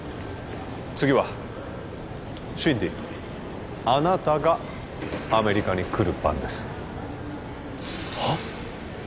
次はシンディーあなたがアメリカに来る番ですはっ！？